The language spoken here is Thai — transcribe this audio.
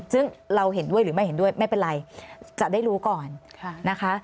ซึ่งเราเห็นด้วยหรือไม่เห็นด้วยไม่เป็นไรจะได้รู้ก่อนนะคะ